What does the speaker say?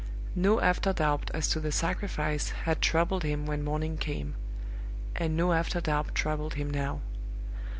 No after doubt as to the sacrifice had troubled him when morning came; and no after doubt troubled him now.